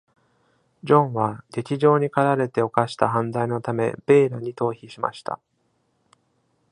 ジョンは、激情にかられて犯した犯罪のためベイラに逃避しました。